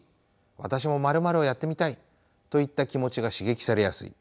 「私も○○をやってみたい！」といった気持ちが刺激されやすい。